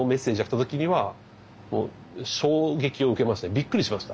びっくりしました。